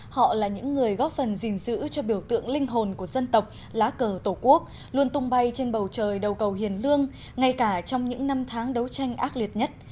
họ là những người góp phần gìn giữ cho biểu tượng linh hồn của dân tộc lá cờ tổ quốc luôn tung bay trên bầu trời đầu cầu hiền lương ngay cả trong những năm tháng đấu tranh ác liệt nhất